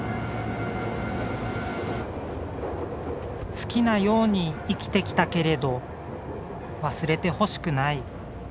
好きなように生きてきたけれど忘れてほしくない。